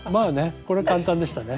これ簡単でしたね。